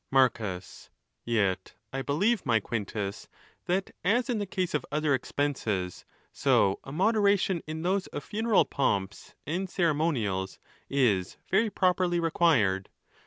Marcus.—Yet I believe, my Quintus, that as in the case of other expenses, so a moderation in those of funeral pomps and ceremonials is very properly required.